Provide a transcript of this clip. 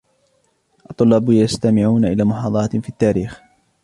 الطلاب يستمعون إلى محاضرة في التاريخ.